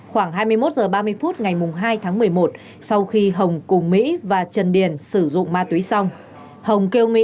khoảng hai mươi một h ba mươi phút ngày hai tháng một mươi một sau khi hồng cùng mỹ và trần điền sử dụng ma túy song